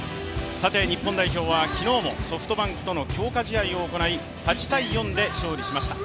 日本代表は昨日もソフトバンクとの強化試合を行い８−４で勝利しました。